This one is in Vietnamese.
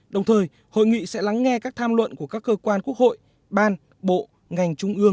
đồng thời hội nghị sẽ lắng nghe các tham luận của các cơ quan quốc hội ban bộ ngành trung ương